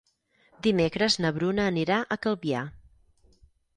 Dimecres na Bruna anirà a Calvià.